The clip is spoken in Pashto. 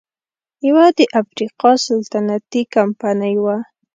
یوه د افریقا سلطنتي کمپنۍ وه.